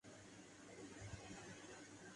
پھر ہم جانتے ہیں۔